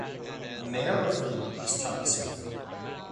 The Mayor of Reed is Tommie Smith.